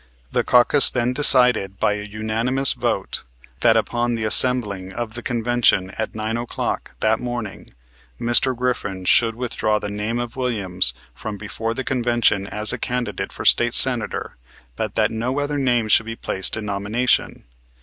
The caucus then decided by a unanimous vote that upon the assembling of the convention at 9 o'clock that morning Mr. Griffin should withdraw the name of Williams from before the convention as a candidate for State Senator, but that no other name should be placed in nomination.